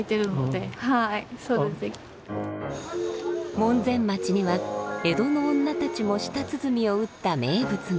門前町には江戸の女たちも舌鼓を打った名物が。